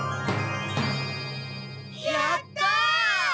やった！